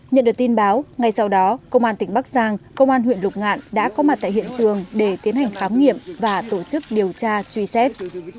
nhận được tin báo ngay sau đó công an tỉnh bắc giang công an huyện lục ngạn đã có mặt tại hiện trường để tiến hành khám nghiệm và tổ chức điều tra truy xét